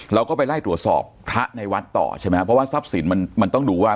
เราก็ไปไล่ตรวจสอบพระในวัดต่อใช่ไหมครับเพราะว่าทรัพย์สินมันมันต้องดูว่า